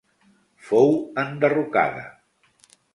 Fou enderrocada.